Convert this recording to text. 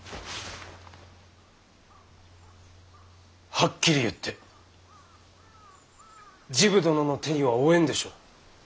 はっきり言って治部殿の手には負えんでしょう。